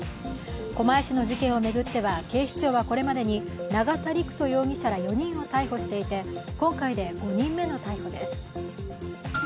狛江市の事件を巡っては警視庁はこれまでに永田陸人容疑者ら４人を逮捕していて今回で５人目の逮捕です。